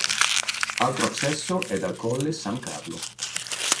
Altro accesso è dal Colle San Carlo.